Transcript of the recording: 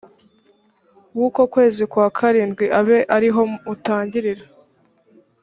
w uko kwezi kwa karindwi abe ari ho mutangirira